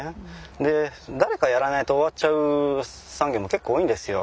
で誰かやらないと終わっちゃう産業も結構多いんですよ。